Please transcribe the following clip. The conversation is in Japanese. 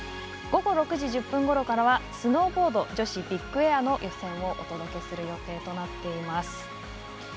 午後６時１０分ごろからはスノーボード女子ビッグエアの予選をお届けする予定となっています。